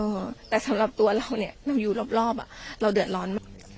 เออแต่สำหรับตัวเราเนี่ยเราอยู่รอบรอบอ่ะเราเดือดร้อนมาก